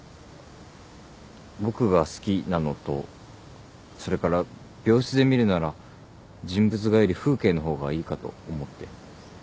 僕が好きなのとそれから病室で見るなら人物画より風景の方がいいかと思って。